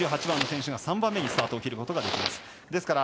２８番の選手が３番目にスタートを切ることができます。